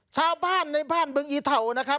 ชาวบ้านในบ้านบึงอีเถานะครับ